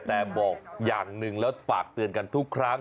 แต่บอกอย่างหนึ่งแล้วฝากเตือนกันทุกครั้ง